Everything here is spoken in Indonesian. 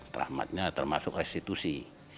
terahmatnya termasuk restitusi